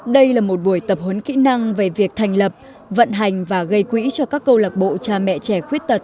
đây là một buổi tập huấn kỹ năng về việc thành lập vận hành và gây quyền